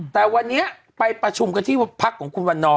แต่วันนี้ไปประชุมกันที่พักของคุณวันนอร์